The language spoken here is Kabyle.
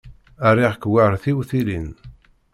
Riɣ-k war tiwtilin.